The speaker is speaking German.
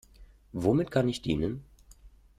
Womit kann ich dienen?